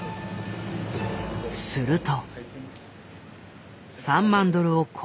すると。